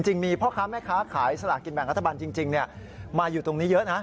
มีพ่อค้าแม่ค้าขายสลากกินแบ่งรัฐบาลจริงมาอยู่ตรงนี้เยอะนะ